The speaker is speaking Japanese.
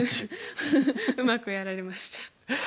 うまくやられました。